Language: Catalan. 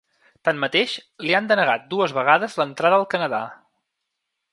Tanmateix li han denegat dues vegades l’entrada al Canadà.